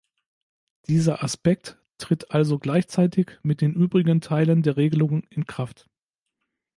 Dieser Aspekt tritt also gleichzeitig mit den übrigen Teilen der Regelung in Kraft.